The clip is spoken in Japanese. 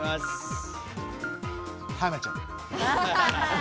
浜ちゃん。